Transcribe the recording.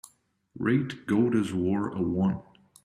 Rate Gota's War a one